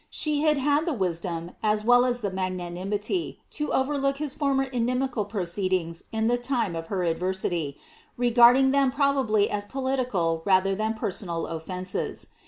She had had the wisdom, as well as the magnanimity, to overlook his former inimical proceedings in die time of her adversity, regarding them probably as political rather iban personal oflences.